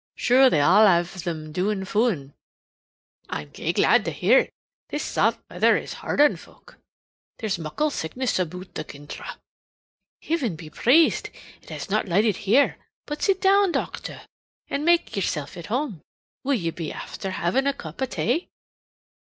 "Shure, they're all av thim doin' foin." "I'm gey glad to hear it. This saft weather is hard on folk. There's muckle sickness aboot the kintra." "Hiven be praised it has not lighted here! But sit down, docther, an' make yersilf at home. Will ye be afther havin' a cup o' tay?"